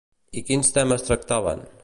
I quins temes tractaven?